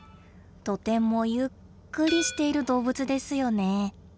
とてもゆっくりしている動物ですよね。